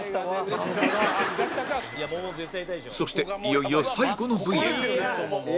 そしていよいよ最後の部位へ